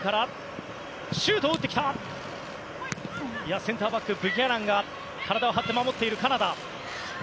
センターバック、ブキャナンが体を張って守っているカナダ。